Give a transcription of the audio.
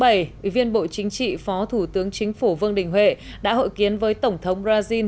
ủy viên bộ chính trị phó thủ tướng chính phủ vương đình huệ đã hội kiến với tổng thống brazil